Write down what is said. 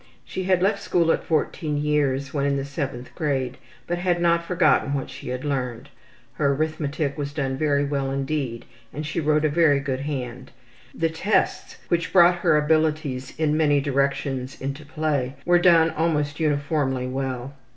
She had left school at 14 years when in the 7th grade, but had not forgotten what she had learned. Her arithmetic was done very well indeed and she wrote a very good hand. The tests, which brought her abilities in many directions into play, were done almost uniformly well.